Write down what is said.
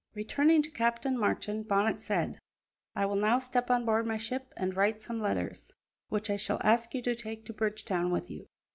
Returning to Captain Marchand, Bonnet said: "I will now step on board my ship and write some letters, which I shall ask you to take to Bridgetown with you.